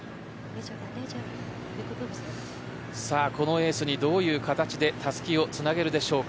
このエースにどういう形でたすきをつなげるでしょうか。